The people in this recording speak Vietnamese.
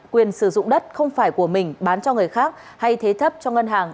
quyền sử dụng đất không phải của mình bán cho người khác hay thế thấp cho ngân hàng